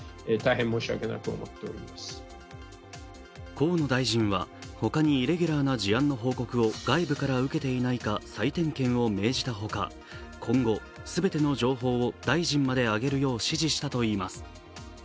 河野大臣は他にイレギュラーな事案の報告を外部から受けていないか再点検を命じたほか、今後全ての情報を大臣まで上げるよう指示したといいます。